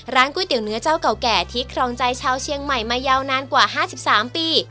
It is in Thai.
ก๋วยเตี๋ยเนื้อเจ้าเก่าแก่ที่ครองใจชาวเชียงใหม่มายาวนานกว่า๕๓ปี